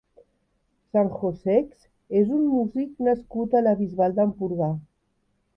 Sanjosex és un músic nascut a la Bisbal d'Empordà.